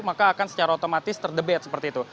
maka akan secara otomatis terdebet seperti itu